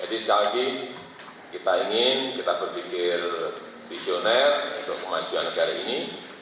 yadi sekaliki kita ingin kita perpikir visioner untuk kemajuan negara ini